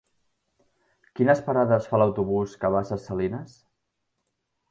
Quines parades fa l'autobús que va a Ses Salines?